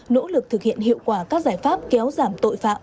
nỗ lực thực hiện hiệu quả các giải pháp kéo giảm tội phạm